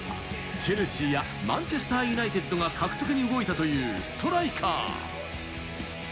チェルシーやマンチェスター・ユナイテッドが獲得に動いたというストライカー。